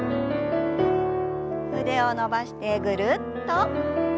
腕を伸ばしてぐるっと。